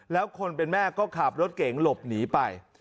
แล้วคนเป็นแม่ก็ขับรถเก๋งหลบหนีไป